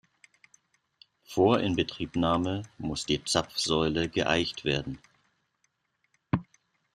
Vor Inbetriebnahme muss die Zapfsäule geeicht werden.